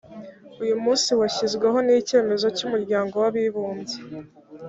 uyu munsi washyizweho n’icyemezo cy’umuryango w abibumbye